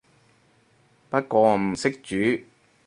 不過我唔識煮